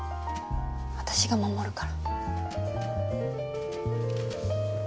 私が守るから。